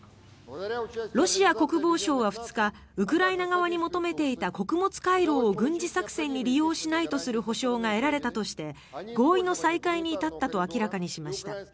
ロシア国防省は２日ウクライナ側に求めていた穀物回廊を軍事作戦に利用しないとする保証が得られたとして合意の再開に至ったと明らかにしました。